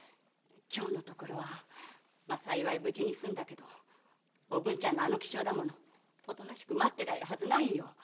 今日のところは幸い無事に済んだけどおぶんちゃんのあの気性じゃおとなしく待ってられるはずない。